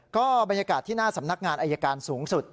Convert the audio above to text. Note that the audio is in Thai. ก็บรรยากาศที่หน้าสำนักงานอายการสูงสุด